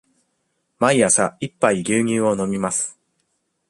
毎朝一杯牛乳を飲みます。